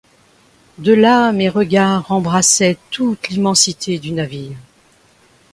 De là, mes regards embrassaient toute l’immensité du navire.